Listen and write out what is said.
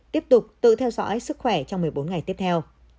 tiếp tục tự theo dõi sức khỏe trong một mươi bốn ngày tiếp theo